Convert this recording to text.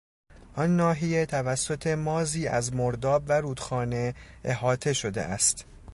آن ناحیه توسط مازی از مرداب و رودخانه احاطه شده است.